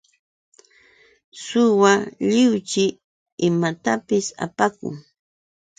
Suwa lliwshi imatapis apakun.